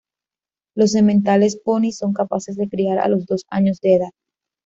Los sementales poni son capaces de criar a los dos años de edad.